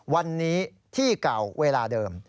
วันนี้ที่เก่าเวลาเดิม